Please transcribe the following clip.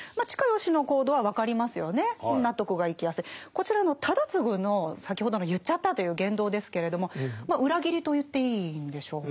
こちらの忠次の先ほどの言っちゃったという言動ですけれども裏切りと言っていいんでしょうか。